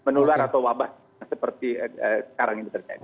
menular atau wabah seperti sekarang ini terjadi